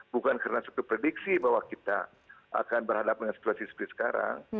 bukan karena satu prediksi bahwa kita akan berhadapan dengan situasi seperti sekarang